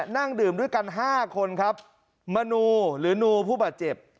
นั่งดื่มด้วยกัน๕คนครับมนูหรือนูผู้บาดเจ็บ